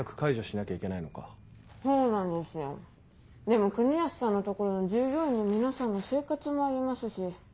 でも国安さんの所の従業員の皆さんの生活もありますし。